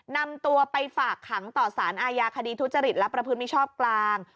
นำตัวไปฝากขังต่อสารอาญาคดีทุจริตและประพฤติมิชอบกลาง